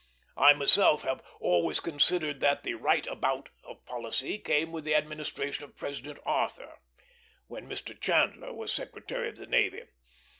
I myself have always considered that the "right about" of policy came with the administration of President Arthur, when Mr. Chandler was Secretary of the Navy.